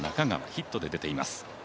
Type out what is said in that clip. ヒットで出ています。